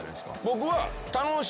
僕は。